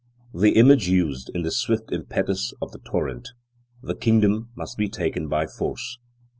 The image used is the swift impetus of the torrent; the kingdom must be taken by force.